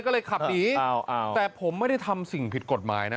ก็เลยขับหนีแต่ผมไม่ได้ทำสิ่งผิดกฎหมายนะ